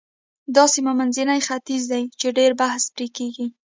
دا سیمه منځنی ختیځ دی چې ډېر بحث پرې کېږي.